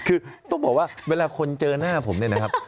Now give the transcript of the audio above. คือต้องบอกว่าเวลาคนเจอหน้าผมเนี่ยนะครับ